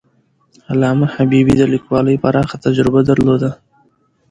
علامه حبيبي د لیکوالۍ پراخه تجربه درلوده.